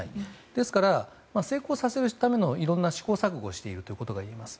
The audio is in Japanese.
ですから、成功させるためにいろんな試行錯誤をしているといえます。